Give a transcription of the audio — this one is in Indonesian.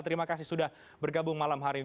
terima kasih sudah bergabung malam hari ini